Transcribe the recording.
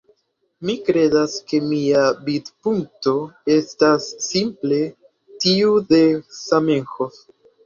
Mi kredas ke mia vidpunkto estas simple tiu de Zamenhof.